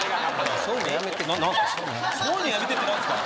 「そういうのやめて」ってなんですか？